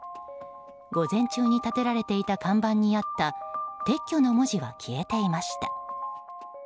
午前中に立てられていた看板にあった「撤去」の文字は消えていました。